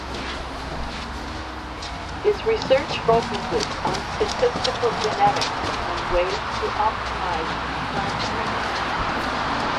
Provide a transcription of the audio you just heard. His research focuses on statistical genetics and ways to optimize plant breeding.